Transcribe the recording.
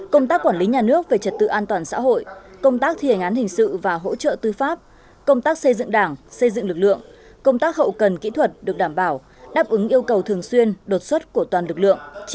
công tác quản lý nhà nước về trật tự an toàn xã hội công tác thi hành án hình sự và hỗ trợ tư pháp công tác xây dựng đảng xây dựng lực lượng công tác hậu cần kỹ thuật được đảm bảo đáp ứng yêu cầu thường xuyên đột xuất của toàn lực lượng